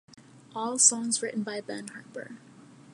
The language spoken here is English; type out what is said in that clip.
All songs written by Ben Harper.